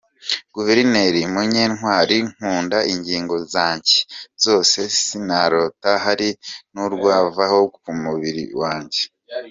Guverineri Munyantwali: Nkunda ingingo zanjye zose sinarota hari n’urwavaho ku mubiri wanjye.